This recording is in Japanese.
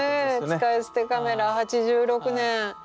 使い捨てカメラ８６年。